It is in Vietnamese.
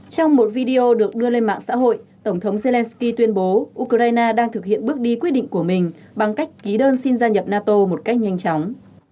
trong một video được đưa lên mạng xã hội tổng thống zelensky tuyên bố ukraine đang thực hiện bước đi quyết định của mình bằng cách ký đơn xin gia nhập nato một cách nhanh chóng